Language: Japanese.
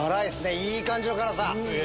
いい感じの辛さ。